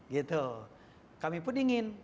gitu kami pun ingin